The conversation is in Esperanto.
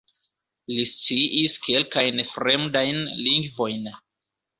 Li sciis kelkajn fremdajn lingvojn.